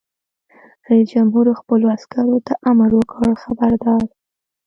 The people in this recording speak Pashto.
رئیس جمهور خپلو عسکرو ته امر وکړ؛ خبردار!